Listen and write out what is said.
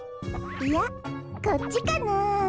いやこっちかなあ。